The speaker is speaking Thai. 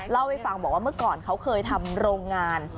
เล่าให้ฟังบอกว่าเมื่อก่อนเขาเคยทำโรงงาน